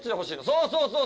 そうそうそう。